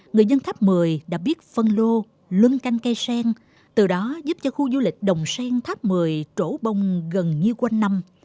người dân tháp mười đã biết phân lô luân canh cây sen từ đó giúp cho khu du lịch đồng sen tháp mười trổ bông gần như quanh năm